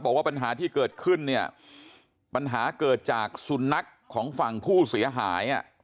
บอกว่าปัญหาที่เกิดขึ้นเนี่ยปัญหาเกิดจากสุนัขของฝั่งผู้เสียหาย